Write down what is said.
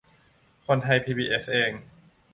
คนไทยพีบีเอสเอง